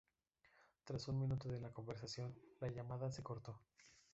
Tras un minuto en la conversación, la llamada se cortó.